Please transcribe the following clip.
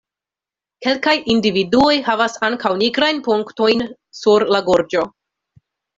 Kelkaj individuoj havas ankaŭ nigrajn punktojn sur la gorĝo.